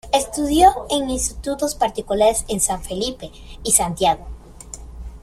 Estudió en institutos particulares en San Felipe y Santiago.